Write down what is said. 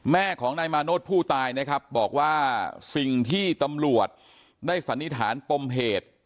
แม่ของนายมาโนธผู้ตายนะครับบอกว่าสิ่งที่ตำรวจได้สันนิษฐานปมเหตุ